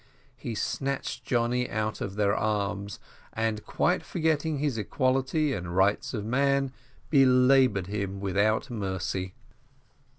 He snatched Johnny out of their arms, and, quite forgetting his equality and rights of man, belaboured him without mercy.